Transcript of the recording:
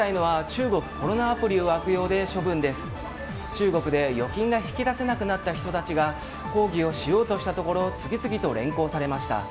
中国で預金が引き出せなくなった人たちが抗議をしようとしたところ次々と連行されました。